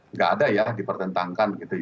nggak ada ya dipertentangkan